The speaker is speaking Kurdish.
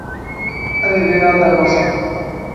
Em ê vêya derbas bikin.